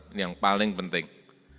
ini yang paling penting